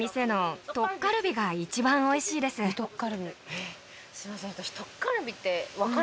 えっすいません私。